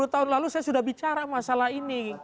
dua puluh tahun lalu saya sudah bicara masalah ini